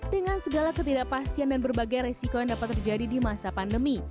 dengan segala ketidakpastian dan berbagai resiko yang dapat terjadi di masa pandemi